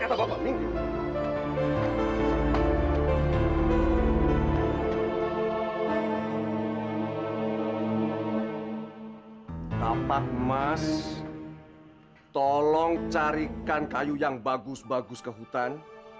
tanpa emas tolong carikan kayu yang bagus bagus ke hutan